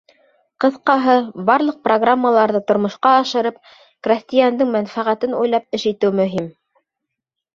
Ҡыҫҡаһы, барлыҡ программаларҙы тормошҡа ашырып, крәҫтиәндең мәнфәғәтен уйлап эш итеү мөһим.